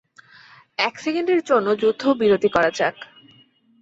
এক সেকেন্ডের জন্য যুদ্ধবিরতি করা যাক।